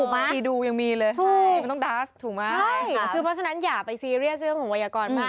ไม่ต้องใช้วัยกร